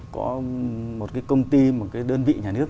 có một cái công ty một cái đơn vị nhà nước